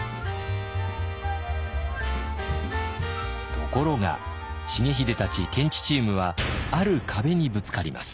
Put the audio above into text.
ところが重秀たち検地チームはある壁にぶつかります。